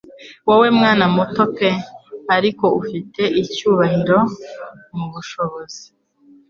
Wowe mwana muto pe ariko ufite icyubahiro mubushobozi